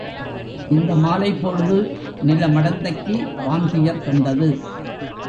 இந்த மாலைப்பொழுது நில மடந்தைக்கு வான்துயர் தந்தது.